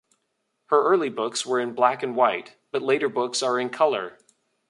Her early books were in black-and-white, but later books are in color.